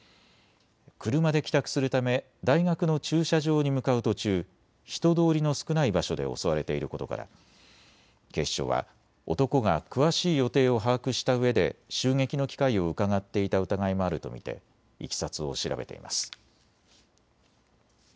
車で帰宅するため大学の駐車場に向かう途中、人通りの少ない場所で襲われていることから警視庁は男が詳しい予定を把握したうえで襲撃の機会をうかがっていた疑いもあると見ていきさつを調べています。